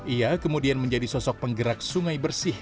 ia kemudian menjadi sosok penggerak sungai bersih